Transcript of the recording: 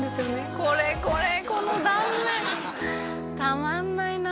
これこれこの断面たまんないなあ